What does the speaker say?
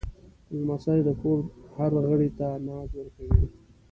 لمسی د کور هر غړي ته ناز ورکوي.